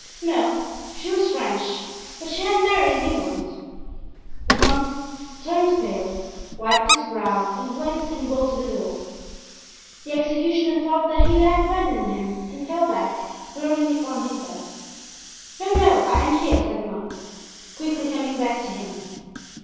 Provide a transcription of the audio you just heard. "No, she was French, but she had married in England." The monk turned pale, wiped his brow and went and bolted the door. The executioner thought that he had abandoned him and fell back, groaning, upon his bed. "No, no; I am here," said the monk, quickly coming back to him.